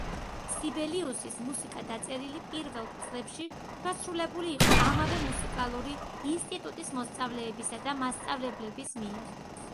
სიბელიუსის მუსიკა, დაწერილი პირველ წლებში შესრულებული იყო ამავე მუსიკალური ინსტიტუტის მოსწავლეებისა და მასწავლებლების მიერ.